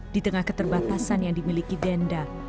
di tengah keterbatasan yang dimiliki denda